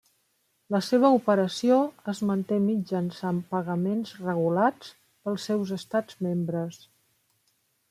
La seva operació es manté mitjançant pagaments regulats pels seus estats membres.